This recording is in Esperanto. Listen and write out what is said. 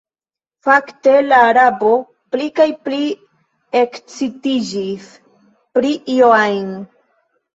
Fakte la Arabo pli kaj pli ekscitiĝis pri io ajn.